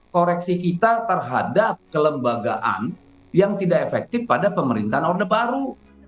koreksi kita terhadap kelembagaan yang tidak efektif pada pemerintahan orde baru